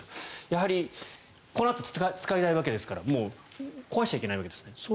やはりこのあと使いたいわけですからもう壊しちゃいけないわけですね。